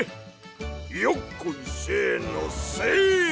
よっこいせのせい！